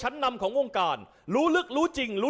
ดาบดำเล่นงานบนเวลาตัวด้วยหันขวา